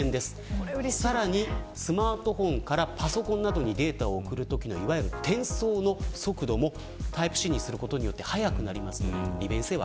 さらに、スマートフォンからパソコンなどにデータを送るときの転送の速度もタイプＣにすることによって速くなります。